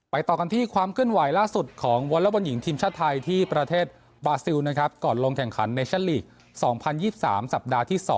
ต่อกันที่ความเคลื่อนไหวล่าสุดของวอเล็กบอลหญิงทีมชาติไทยที่ประเทศบาซิลนะครับก่อนลงแข่งขันในชั่นลีก๒๐๒๓สัปดาห์ที่๒